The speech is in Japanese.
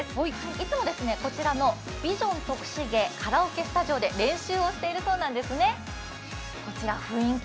いつもこちらのビジョン徳重カラオケスタジオで練習をしているそうなんですね。